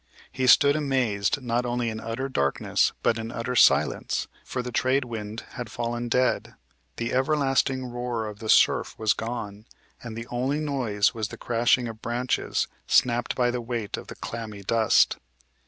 He stood amazed not only in utter darkness, but in utter silence; for the trade wind had fallen dead, the everlasting roar of the surf was gone, and the only noise was the crashing of branches, snapped by the weight of the clammy dust.